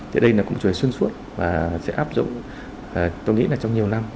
thì đây là một chủ đề xuyên suốt và sẽ áp dụng tôi nghĩ là trong nhiều năm